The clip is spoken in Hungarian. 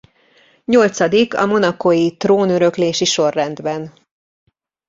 Nyolcadik a monacói trónöröklési sorrendben.